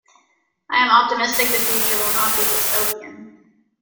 I am optimistic the future will not be Dystopian.